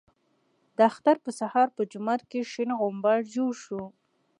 د اختر په سهار په جومات کې شین غومبر جوړ شو.